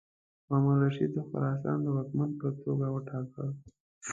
مامون الرشید د خراسان د واکمن په توګه وټاکه.